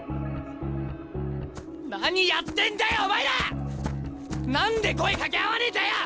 何やってんだよお前ら！何で声かけ合わねえんだよ！